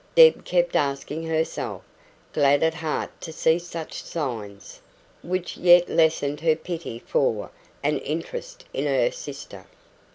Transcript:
Deb kept asking herself, glad at heart to see such signs, which yet lessened her pity for and interest in her sister.